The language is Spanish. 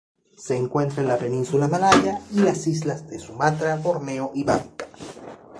Se encuentra en la península malaya y las islas de Sumatra, Borneo y Bangka.